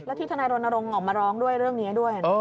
ที่ทนายรณรงค์ออกมาร้องด้วยเรื่องนี้ด้วย